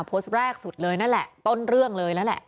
โพสต์แรกสุดเลยนั่นแหละต้นเรื่องเลยแล้วแหละ